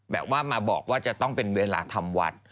แบบว่ามาบอกว่าจะต้องเป็นเวลาทำวัด